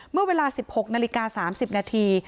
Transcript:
เมื่อเวลา๑๖นาฬิกา๓๐นาที